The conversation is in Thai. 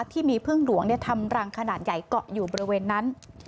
ที่มีพึ่งหลวงทำรังขนาดใหญ่เกาะอยู่บริเวณนั้น